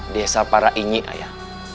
desa para inyi ayah